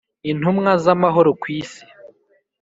intumwa z amahoro kwisi